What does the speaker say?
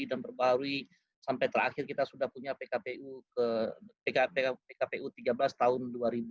dan berbaharui sampai terakhir kita sudah punya pkpu tiga belas tahun dua ribu dua puluh